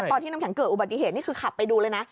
น้ำแข็งเกิดอุบัติเหตุนี่คือขับไปดูเลยนะ